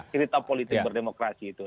cerita politik berdemokrasi itu